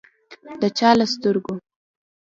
د چا له سترګو